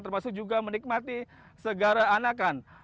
termasuk juga menikmati segara anakan